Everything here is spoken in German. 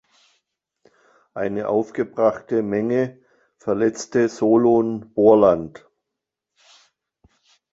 Eine aufgebrachte Menge verletzte Solon Borland.